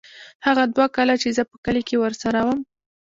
هغه دوه کاله چې زه په کلي کښې ورسره وم.